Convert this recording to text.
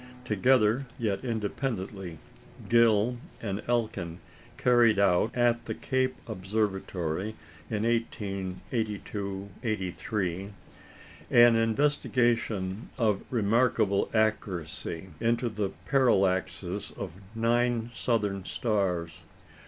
Together, yet independently, Gill and Elkin carried out, at the Cape Observatory in 1882 83, an investigation of remarkable accuracy into the parallaxes of nine southern stars.